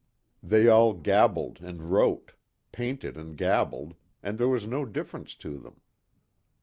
They all gabbled and wrote, painted and gabbled, and there was no difference to them.